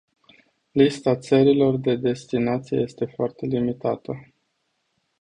Lista țărilor de destinație este foarte limitată.